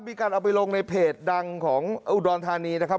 มีการเอาไปลงในเพจดังของอุดรธานีนะครับ